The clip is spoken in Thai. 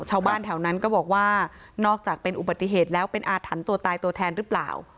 ชาวบ้านแถวนั้นก็บอกว่านอกจากเป็นอุบัติเหตุแล้วเป็นอาถรรพ์ตัวตายตัวแทนหรือเปล่า